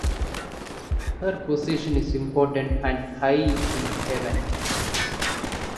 Her position is important and high in heaven.